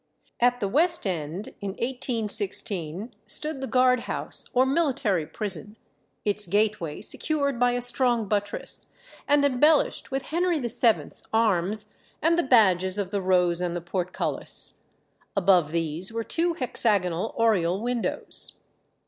At the west end, in 1816, stood the guard house, or military prison, its gateway secured by a strong buttress, and embellished with Henry VII.'s arms and the badges of the rose and the portcullis: above these were two hexagonal oriel windows.